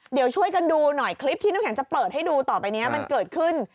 เดี๋ยวช่วยกันดูหน่อยคลิปที่น้ำแข็งจะเปิดให้ดูต่อไปนี้มันเกิดขึ้น